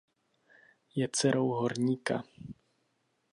Je dcerou horníka.